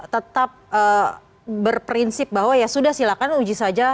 tetap berprinsip bahwa ya sudah silakan uji saja